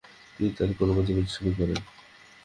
তিনি তাঁর কর্মজীবন শুরু করেন।